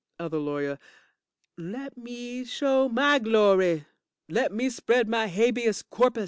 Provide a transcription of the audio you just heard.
OTHER LAWYER Let me show my glory. Let me spread my habeas corpus.